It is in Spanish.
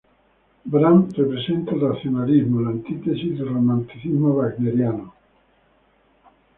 Brahms representa el racionalismo, la antítesis del romanticismo wagneriano.